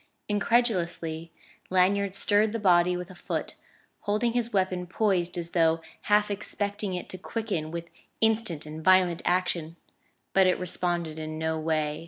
Incredulously Lanyard stirred the body with a foot, holding his weapon poised as though half expecting it to quicken with instant and violent action; but it responded in no way.